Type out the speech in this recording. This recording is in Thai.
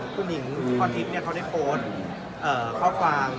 ผู้หญิงคอทฤษฐ์เนี่ยเขาได้โปรดข้อความ